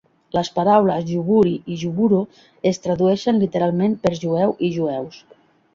Les paraules "Juvuri" i "Juvuro" es tradueixen literalment per "jueu" i "jueus".